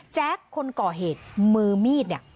คนก่อเหตุมือมีดเนี่ย